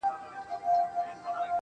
داچي په زيات شمېر خلګ